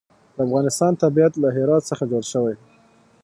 د افغانستان طبیعت له هرات څخه جوړ شوی دی.